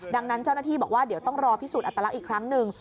ดังนั้นเจ้าหน้าที่บอกว่าเดี๋ยวต้องรอพิสูจนอัตลักษณ์อีกครั้งหนึ่ง